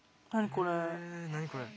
何これ？